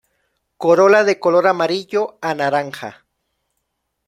Corola de color amarillo a naranja.